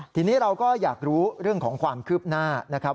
ทีนี้เราก็อยากรู้เรื่องของความคืบหน้านะครับ